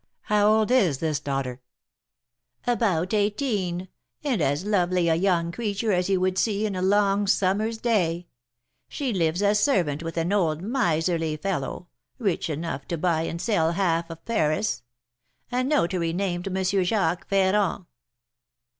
"How old is this daughter?" "About eighteen, and as lovely a young creature as you would see in a long summer's day. She lives as servant with an old miserly fellow, rich enough to buy and sell half Paris, a notary, named M. Jacques Ferrand."